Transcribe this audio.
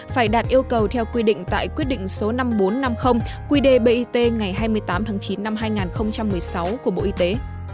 phải đạt yêu cầu theo quy định tại quyết định số năm nghìn bốn trăm năm mươi qdbit ngày hai mươi tám tháng chín năm hai nghìn một mươi sáu của bộ y tế